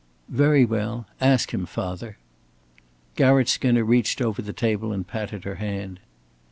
"Very well; ask him, father." Garrett Skinner reached over the table and patted her hand.